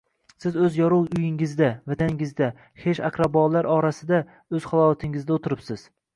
Siz o‘z yorug‘ uyingizda, vataningizda, xesh-aqrabolar orasida, o‘z halovatingizda o‘tiribsiz.